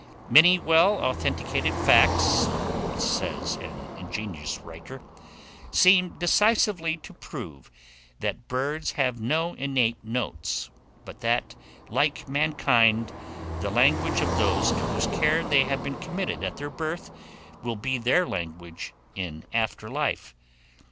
"Many well authenticated facts," says an ingenious writer, "seem decisively to prove that birds have no innate notes, but that, like mankind, the language of those to whose care they have been committed at their birth, will be their language in after life."